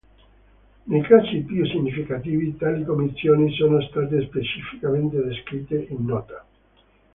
Nei casi più significativi, tali commistioni sono state specificamente descritte in nota.